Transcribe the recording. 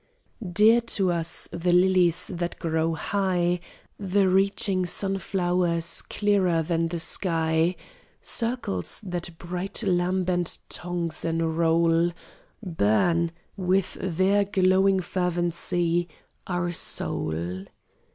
Dear to us the lilies that grow high; The reaching sunflowers clearer than the sky Circles that bright lambent tongues enroll Burn, with their glowing fervency, our soul.